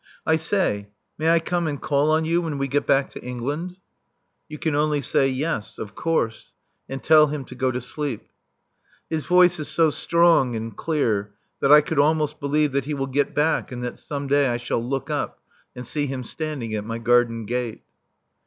"I say, may I come and call on you when we get back to England?" You can only say: "Yes. Of course," and tell him to go to sleep. His voice is so strong and clear that I could almost believe that he will get back and that some day I shall look up and see him standing at my garden gate.